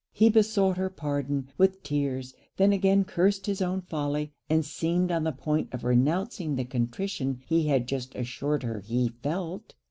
He besought her pardon, with tears; then again cursed his own folly, and seemed on the point of renouncing the contrition he had just assured her he felt.